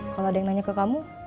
kalau ada yang nanya ke kamu